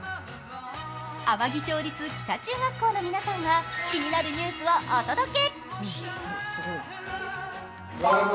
天城町立北中学校の皆さんが気になるニュースを届け。